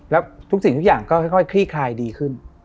แล้วทุกสิ่งทุกอย่างก็ค่อยคลี่คลายดีขึ้น